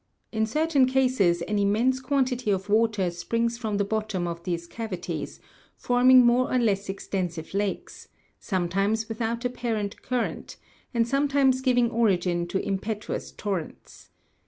In certain cases an immense quantity of water springs from the bottom of these cavi ties, forming more or less extensive lakes, sometimes without apparent cur rent, and sometimes giving origin to impetuous torrents.